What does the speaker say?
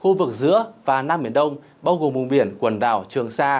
khu vực giữa và nam biển đông bao gồm vùng biển quần đảo trường sa